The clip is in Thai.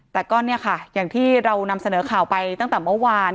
แต่ก็เนี่ยค่ะอย่างที่เรานำเสนอข่าวไปตั้งแต่เมื่อวาน